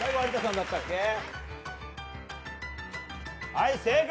はい、正解。